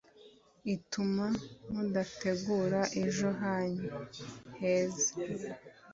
ituma mudategura ejo hanyu heza